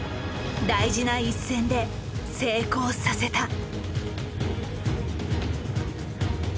大事な一戦で成功させた。